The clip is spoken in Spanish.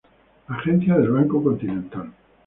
Agencia del Banco Continental.